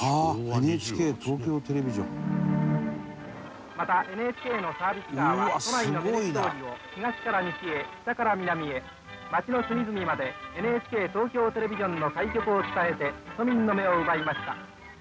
アナウンサー：またＮＨＫのサービスカーは都内の明治通りを東から西へ、北から南へ町の隅々までＮＨＫ東京テレビジョンの開局を伝えて庶民の目を奪いました。